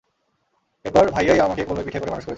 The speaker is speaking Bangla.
এরপর ভাইয়াই আমাকে কোলে-পিঠে করে মানুষ করেছে।